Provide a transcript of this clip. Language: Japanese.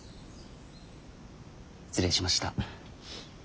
失礼しました。